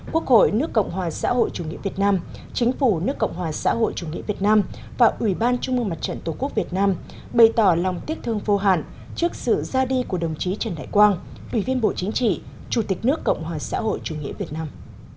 quốc hội nước cộng hòa xã hội chủ nghĩa việt nam chính phủ nước cộng hòa xã hội chủ nghĩa việt nam và ủy ban trung mương mặt trận tổ quốc việt nam bày tỏ lòng tiếc thương vô hạn trước sự ra đi của đồng chí trần đại quang ủy viên bộ chính trị chủ tịch nước cộng hòa xã hội chủ nghĩa việt nam